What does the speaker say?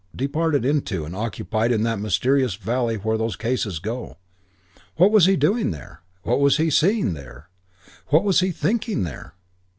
Departed into, and occupied in that mysterious valley where those cases go. What was he doing there? What was he seeing there? What was he thinking there?